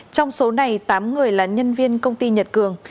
trong số này tám người là nhân viên công ty nhật cường